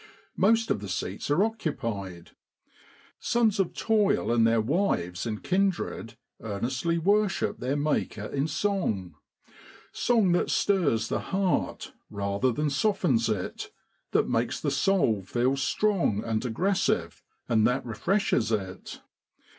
Most of the seats are occupied. Sons of toil and their wives and kindred earnestly worship their maker in song song that stirs the heart rather than softens it, that makes the soul feel strong and aggressive, and that refreshes it.